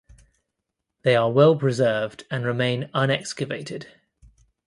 They are well preserved and remain unexcavated.